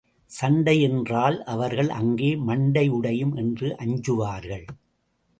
சண்டை என்றால் அவர்கள் அங்கே மண்டை உடையும் என்று அஞ்சுவார்கள்.